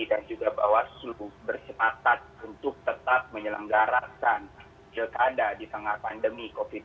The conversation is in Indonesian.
bahwa seluruh bersepatat untuk tetap menyelenggarakan jika ada di tengah pandemi covid sembilan belas